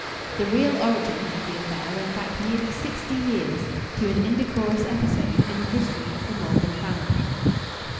The real origin of the affair went back nearly sixty years, to an indecorous episode in the history of the Maldon family.